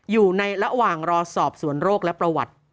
อยู่ในระหว่างรอสอบสวนโรคและประวัติ